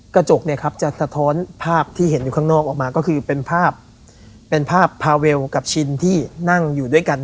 กระจกเนี่ยครับจะสะท้อนภาพที่เห็นอยู่ข้างนอกออกมาก็คือเป็นภาพเป็นภาพพาเวลกับชินที่นั่งอยู่ด้วยกัน